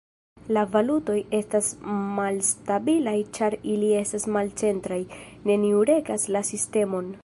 La valutoj estas malstabilaj ĉar ili estas malcentraj, neniu regas la sistemon.